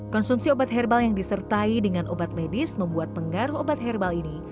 konsumsi obat herbal yang disertai dengan obat medis membuat pengaruh obat herbal ini